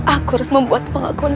aku harus membuat pengakuan